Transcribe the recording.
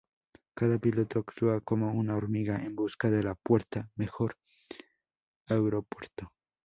Cada piloto actúa como una hormiga en busca de la puerta mejor aeropuerto.